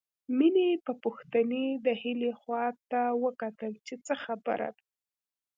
مينې په پوښتنې د هيلې خواته وکتل چې څه خبره ده